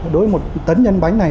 đối với một tấn nhân bánh này